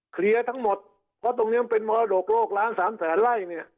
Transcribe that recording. เคลียร์ทั้งหมดเพราะตรงนี้มันเป็นมรดกโลกล้านสามแสนไล่เนี่ย